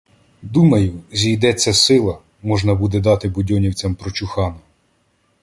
Думаю, зійдеться сила, можна буде дати будьонівцям прочухана.